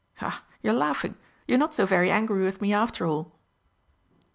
Ah, you're laughing! You're not so very angry with me after all!"